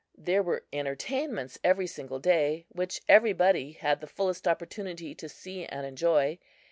There were entertainments every single day, which everybody had the fullest opportunity to see and enjoy.